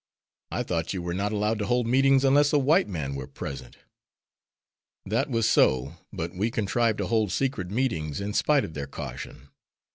I thought you were not allowed to hold meetings unless a white man were present." "That was so. But we contrived to hold secret meetings in spite of their caution.